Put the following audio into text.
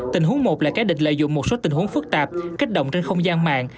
tình huống một là cái địch lợi dụng một số tình huống phức tạp kích động trên không gian mạng